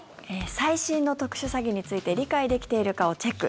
最新の特殊詐欺について理解できているかをチェック